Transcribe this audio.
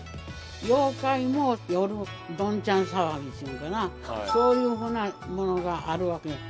妖怪も夜ドンチャン騒ぎするからそういうふうなものがあるわけ。